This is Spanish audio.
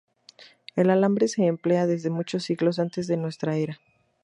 El alambre se emplea desde muchos siglos antes de nuestra era.